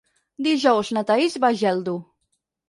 Dijous na Thaís va a Geldo.